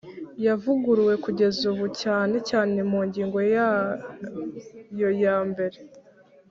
yavuguruwe kugeza ubu cyane cyane mu ngingo yayo ya mbere